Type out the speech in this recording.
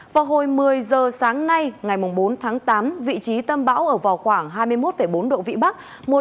vào hồi một mươi giờ sáng nay ngày bốn tháng tám vị trí tâm bão ở vào khoảng hai mươi một bốn độ vĩ bắc